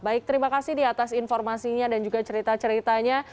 baik terima kasih di atas informasinya dan juga cerita ceritanya